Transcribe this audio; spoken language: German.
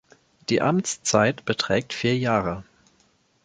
Die Amtszeit beträgt vier Jahre.